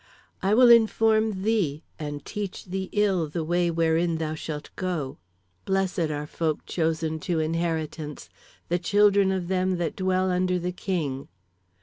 "I will inform thee and teach thee ill the way wherein thou shalt go. "Blessed are folk chosen to inheritance; the children of them that dwell under the king.